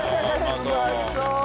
うまそう！